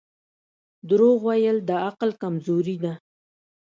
• دروغ ویل د عقل کمزوري ده.